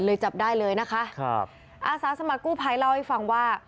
จับได้เลยนะคะครับอาสาสมัครกู้ภัยเล่าให้ฟังว่า